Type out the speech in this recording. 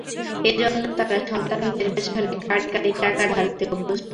এ জন্য তাঁরা সন্তানদের পেছনে কাঁড়ি কাঁড়ি টাকা ঢালতেও প্রস্তুত।